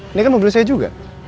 ini kan mobil saya juga